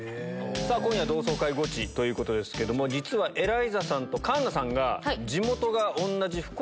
今夜は同窓会ゴチということですけども実はエライザさんと環奈さんが。